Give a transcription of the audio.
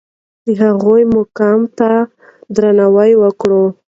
د هغوی مقام ته درناوی وکړئ.